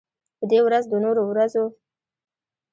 په دې ورځ د نورو ورځو